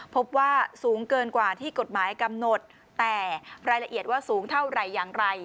พบว่าสูงเกินกว่าที่กฎหมายกำหนดแต่รายละเอียดว่าสูงเท่าไหร่อย่างไร